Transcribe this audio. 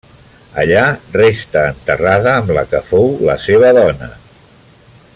Allà resta enterrada amb la que fou la seva dona.